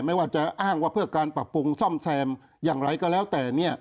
ไม่ว่าจะอ้างว่าเพื่อการปรับปรุงซ่อมแซมอย่างไรก็แล้วแต่เนี่ย